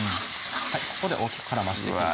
ここで大きく絡ましていきます